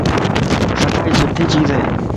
صفائي سٺي چيز ائي